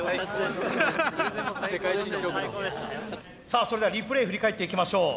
さあそれではリプレー振り返っていきましょう。